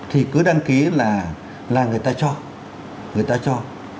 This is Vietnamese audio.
thì cứ đăng ký là người ta cho